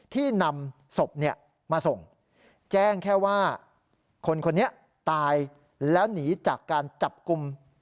ที่นำศพมาส่งแจ้งแค่ว่าคนคนนี้ตายแล้วหนีจากการจับกลุ่ม